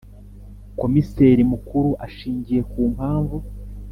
Komiseri Mukuru ashingiye ku mpamvu